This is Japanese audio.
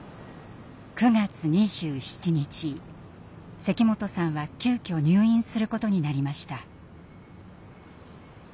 関本さんは急きょ入院することになりました。